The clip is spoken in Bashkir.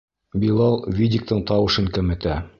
Билал видиктың тауышын кәметә.